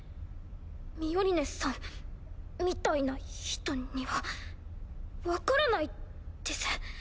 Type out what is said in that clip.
ミオリネさんみたいな人には分からないです。